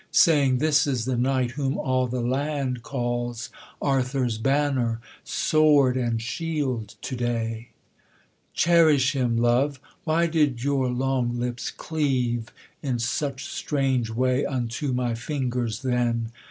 Saying: This is the knight whom all the land Calls Arthur's banner, sword, and shield to day; Cherish him, love. Why did your long lips cleave In such strange way unto my fingers then?